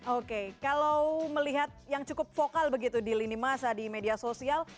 oke kalau melihat yang cukup vokal begitu di lini masa di media sosial